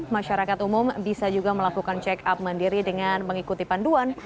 masyarakat umum bisa juga melakukan check up mandiri dengan mengikuti panduan